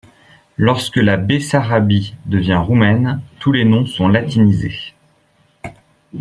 Lorsque la Bessarabie devient roumaine, tous les noms sont latinisés.